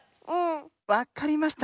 わかりました。